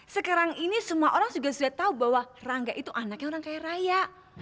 sekarang ini semua orang juga sudah tahu bahwa rangga itu anaknya orang kaya raya